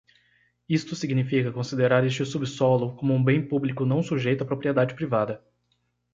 Isto significa considerar este subsolo como um bem público não sujeito à propriedade privada.